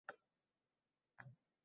Anna-Mariya g`amgin jilmaydi